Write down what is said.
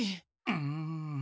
うん。